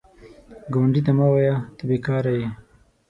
ګاونډي ته مه وایه “ته بېکاره یې”